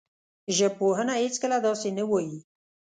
ژبپوهنه هېڅکله داسې نه وايي